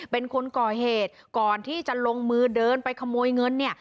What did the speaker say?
เป็นคนก่อเหตุก่อนที่จะลงมือเดินไปขโมยเงินเนี่ย